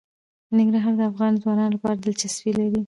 ننګرهار د افغان ځوانانو لپاره دلچسپي لري.